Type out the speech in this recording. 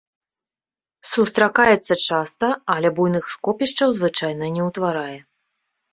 Сустракаецца часта, але буйных скопішчаў звычайна не ўтварае.